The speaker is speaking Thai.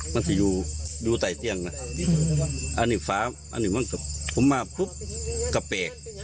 มันจะอยู่ใต้เตียงอันนี้ฟ้าอันนี้มันกระเปก